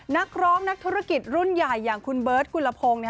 นักร้องนักธุรกิจรุ่นใหญ่อย่างคุณเบิร์ตกุลพงศ์